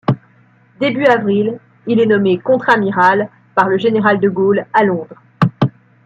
Début avril, il est nommé contre-amiral par le général de Gaulle à Londres.